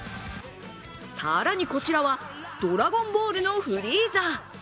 更にこちらは「ドラゴンボール」のフリーザ。